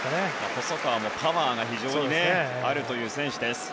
細川もパワーが非常にある選手です。